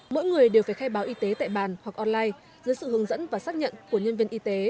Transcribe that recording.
mỗi người đều phải khai báo y tế tại bàn hoặc online dưới sự hướng dẫn và xác nhận của nhân viên y tế